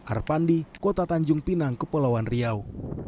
arpandi kota tanjung pinang kepulauan riau